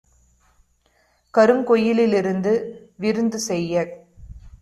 கருங்குயி லிருந்து விருந்து செய்யக்